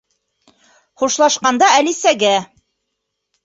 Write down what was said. Хушлашҡанда Әлисәгә: